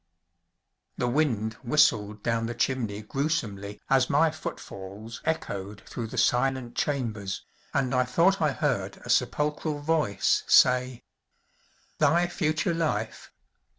The wind whistled down the chimney gruesomely as my footfalls echoed through the silent chambers, and I thought I heard a sepulchral voice say: "Thy future life!